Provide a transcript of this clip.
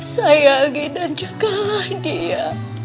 sayangi dan jagalah dia